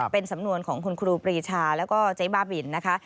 เป็นสำนวนของคุณครูปรีชาแล้วก็เจ๊บ้าบินนะคะ